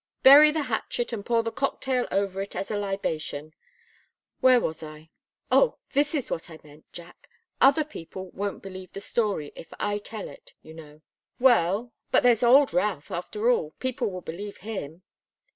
Bury the hatchet and pour the cocktail over it as a libation where was I? Oh this is what I meant, Jack. Other people won't believe the story, if I tell it, you know." "Well but there's old Routh, after all. People will believe him."